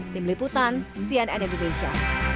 tim liputan cnn indonesia